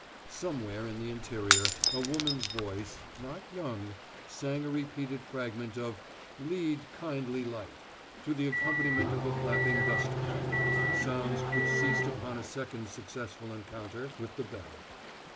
Somewhere in the interior a woman's voice, not young, sang a repeated fragment of "Lead, Kindly Light," to the accompaniment of a flapping dust cloth, sounds which ceased upon a second successful encounter with the bell.